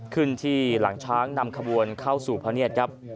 ขึ้นที่หลังช้างนำขบวนเข้าสู่พระเนียดครับ